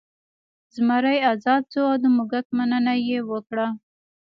زمری ازاد شو او د موږک مننه یې وکړه.